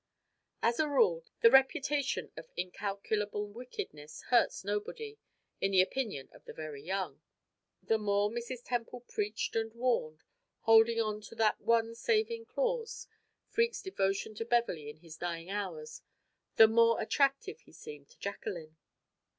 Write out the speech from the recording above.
As a rule, the reputation of incalculable wickedness hurts nobody, in the opinion of the very young. The more Mrs. Temple preached and warned, holding on to that one saving clause, Freke's devotion to Beverley in his dying hours, the more attractive he seemed to Jacqueline.